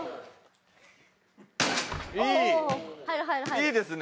いいですね。